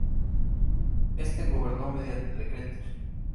Este gobernó mediante decretos.